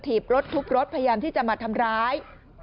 บรถทุบรถพยายามที่จะมาทำร้าย